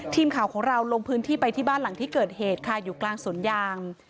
ทีมข่าวของเราลงพื้นที่ไปที่บ้านหลังที่เกิดเหตุค่ะอยู่กลางสวนยาง